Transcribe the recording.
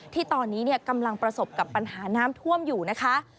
ที่ตอนนี้กำลังประสบกับปัญหาน้ำท่วมอยู่นะคะ